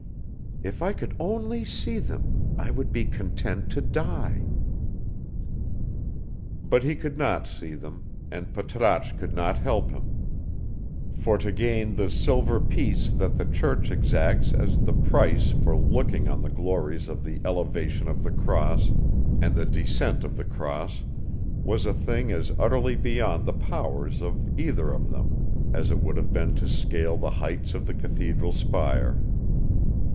If I could only see them, I would be content to die." But he could not see them, and Patrasche could not help him, for to gain the silver piece that the church exacts as the price for looking on the glories of the Elevation of the Cross and the Descent of the Cross was a thing as utterly beyond the powers of either of them as it would have been to scale the heights of the cathedral spire.